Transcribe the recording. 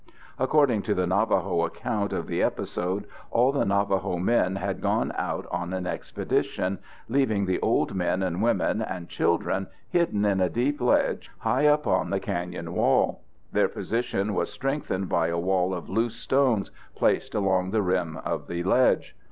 According to the Navajo account of the episode, all the Navajo men had gone out on an expedition, leaving the old men, and women, and children hidden in a deep ledge high up the canyon wall. Their position was strengthened by a wall of loose stones placed along the rim of the ledge.